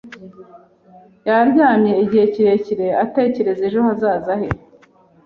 Yaryamye igihe kirekire, atekereza ejo hazaza he.